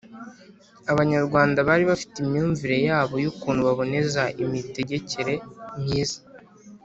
abanyarwanda bari bafite imyumvire yabo y'ukuntu baboneza imitegekere myiza